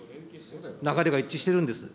流れが一致してるんです。